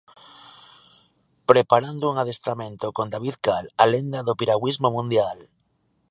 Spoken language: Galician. Preparando un adestramento con David Cal, a lenda do piragüismo mundial.